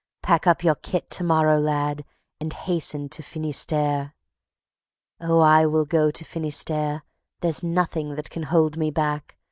Pack up your kit to morrow, lad, and haste to Finistère. Oh, I will go to Finistère, there's nothing that can hold me back.